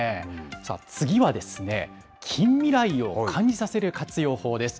さあ、次は近未来を感じさせる活用法です。